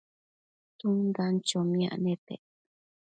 tsundan chomiac nepec